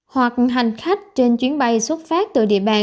hoặc hành khách trên chuyến bay xuất phát từ địa bàn